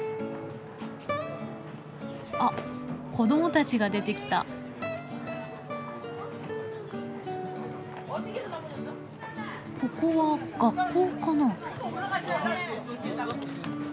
あっ子供たちが出てきた。ここは学校かな？